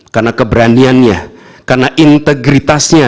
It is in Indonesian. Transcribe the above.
karena keberaniannya karena integritasnya